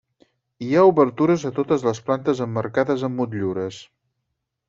Hi ha obertures a totes les plantes emmarcades amb motllures.